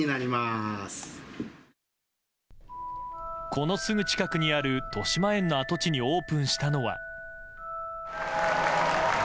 このすぐ近くにあるとしまえんの跡地にオープンしたのは。